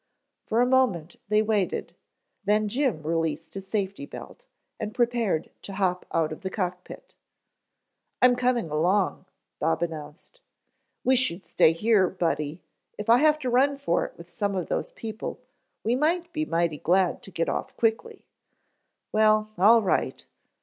For a moment they waited, then Jim released his safety belt, and prepared to hop out of the cock pit. "I'm coming along," Bob announced. "Wish you'd stay here, Buddy. If I have to run for it with some of those people, we might be mighty glad to get off quickly." "Well, all right."